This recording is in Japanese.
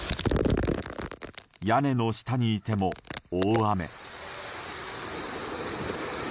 屋根の下にいても大雨。